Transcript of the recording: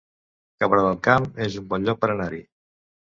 Cabra del Camp es un bon lloc per anar-hi